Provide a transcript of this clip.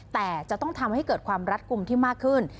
แต่จะต้องทำให้เกิดความรัดกลุ่มที่มากขึ้น